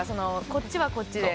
こっちはこっちで。